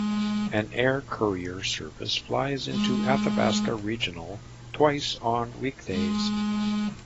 An air courier service flies into Athabasca Regional twice on weekdays.